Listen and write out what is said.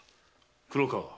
黒川